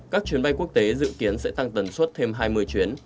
các chuyến bay quốc tế dự kiến sẽ tăng tần suất thêm hai mươi chuyến